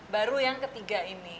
baru yang ketiga ini